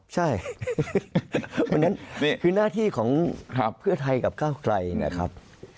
ใช่วันนั้นคือหน้าที่ของเพื่อไทยกับก้าวไกลนะครับ